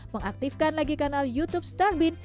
mengaktifkan lagi kanal youtube starbin